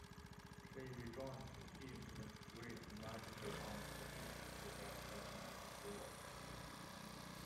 She rejoined the team, when Grace invited her on a mission, without Batman's approval.